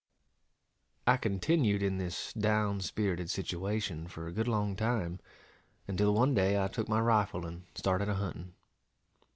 I continued in this down spirited situation for a good long time, until one day I took my rifle and started a hunting.